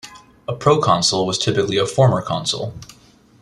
A proconsul was typically a former consul.